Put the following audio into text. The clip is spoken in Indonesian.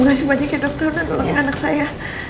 terima kasih banyak ya dokter dan anak saya